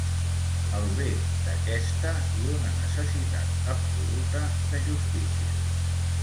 El bé d'aquesta i una necessitat absoluta de justícia